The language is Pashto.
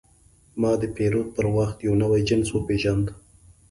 ما د پیرود پر وخت یو نوی جنس وپېژاند.